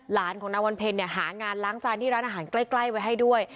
ของนางวันเพลเนี่ยหางานล้างจานที่ร้านอาหารใกล้ไว้ให้ด้วย